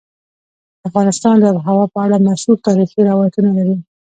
افغانستان د آب وهوا په اړه مشهور تاریخی روایتونه لري.